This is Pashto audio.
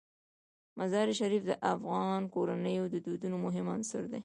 مزارشریف د افغان کورنیو د دودونو مهم عنصر دی.